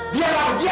diam kamu diam